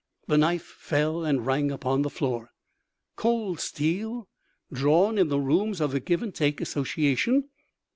The knife fell and rang upon the floor. Cold steel drawn in the rooms of the Give and Take Association!